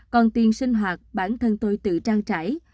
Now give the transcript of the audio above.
còn tiền sinh hoạt bản thân tôi tự trang trải